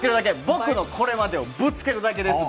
「僕のこれまでをぶつけるだけです」。